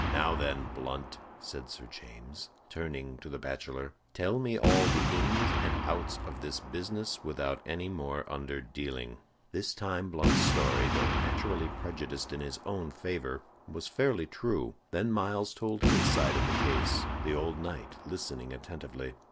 "Now, then, Blunt," said Sir James, turning to the bachelor, "tell me all the ins and outs of this business without any more underdealing." This time Blunt's story, though naturally prejudiced in his own favor, was fairly true. Then Myles told his side of the case, the old knight listening attentively.